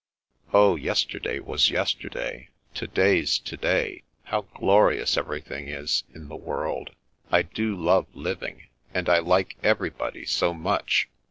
" Oh, yesterday was yesterday. To day's to day. How glorious everything is, in the world. I do love living. And I like everybody so much.